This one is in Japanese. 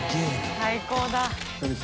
最高だ。